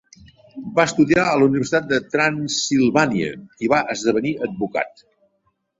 Va estudiar a la Universitat de Transsilvània i va esdevenir advocat.